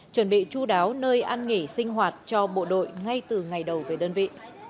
chuẩn bị chú đáo nơi ăn nghỉ sinh hoạt cho bộ đội ngay từ ngày đầu về đơn vị